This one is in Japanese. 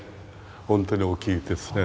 本当に大きいですね。